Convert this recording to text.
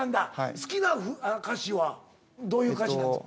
好きな歌詞はどういう歌詞なんですか？